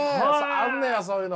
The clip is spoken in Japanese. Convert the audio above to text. あんねやそういうの。